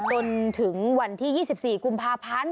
จนถึงวันที่๒๔กุมภาพันธ์